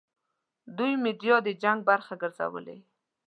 دوی میډیا د جنګ برخه ګرځولې.